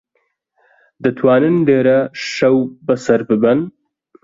دەتوانن لێرە شەو بەسەر ببەن.